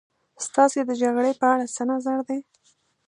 ستاسې د جګړې په اړه څه نظر دی.